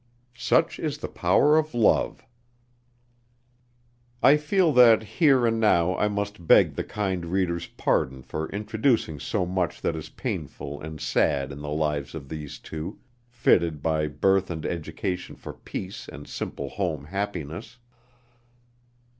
Such is the power of love! I feel that here and now I must beg the kind reader's pardon for introducing so much that is painful and sad in the lives of these two, fitted by birth and education for peace and simple home happiness.